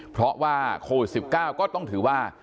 เพราะว่าโควิด๑๙ก็ต้องถือว่า